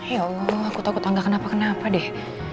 ya allah aku takut takut gak kenapa kenapa deh